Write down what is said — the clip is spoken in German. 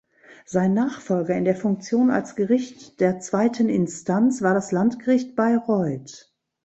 Sein Nachfolger in der Funktion als Gericht der zweiten Instanz war das Landgericht Bayreuth.